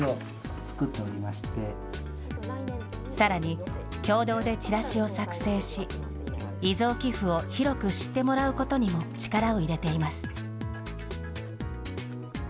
さらに、共同でチラシを作成し、遺贈寄付を広く知ってもらうことにも、力を入れています。